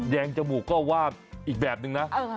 งจมูกก็วาบอีกแบบนึงนะ